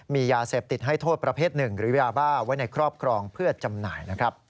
มียาเสพติดให้โทษประเภทหนึ่งหรือยาบ้าไว้ในครอบครองเพื่อจำหน่ายนะครับ